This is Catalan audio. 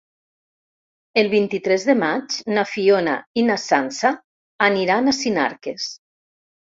El vint-i-tres de maig na Fiona i na Sança aniran a Sinarques.